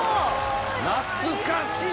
懐かしいな！